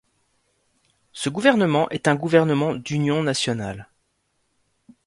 Ce gouvernement est un gouvernement d’union nationale.